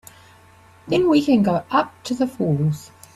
Then we can go up to the falls.